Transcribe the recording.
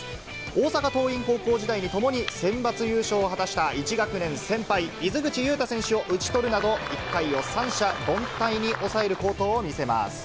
大阪桐蔭高校時代に、共に選抜優勝を果たした１学年先輩、泉口友汰選手を打ち取るなど、１回を三者凡退に抑える好投を見せます。